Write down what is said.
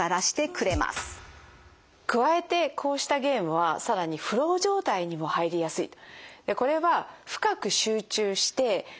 加えてこうしたゲームはさらにフロー状態にも入りやすいと。